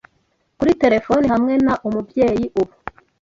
Ndi kuri terefone hamwe na Umubyeyi ubu.